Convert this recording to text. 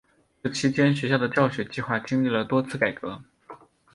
这期间学校的教学计划经历了多次改革。